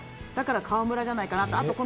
だから河村じゃないかなって。